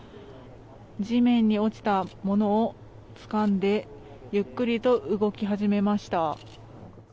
地面に落ちたものをつかんでゆっくりと動き始めました。